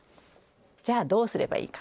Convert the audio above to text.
じゃあどうすればいいか？